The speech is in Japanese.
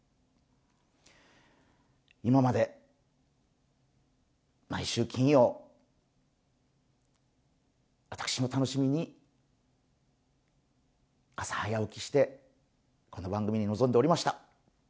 今まで毎週金曜、私も楽しみに朝早起きして、この番組に臨んでおりました。